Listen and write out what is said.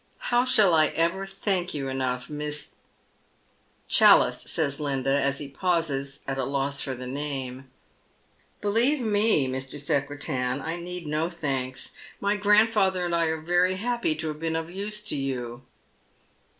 How shall I ever thank you enough, Miss "" Challice," says Linda, as he pauses at a loss for the name. " Believe me, Mr. Secretan, I need no thanks. My grandfatlior and 1 are very happy to have been of use to you."